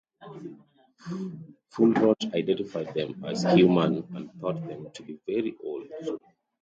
Fuhlrott identified them as human and thought them to be very old.